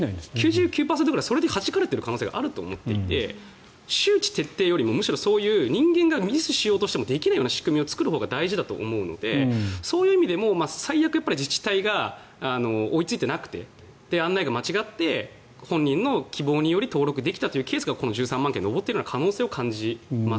９９％ぐらい、それではじかれているものがあると思っていて周知徹底よりも人間がミスしようとしてもできない仕組みを作るほうが大事だと思うので、そういう意味でも最悪、自治体が追いついていなくて案内が間違って本人の希望により登録できたというケースがこの１３万件に上っている感じがします。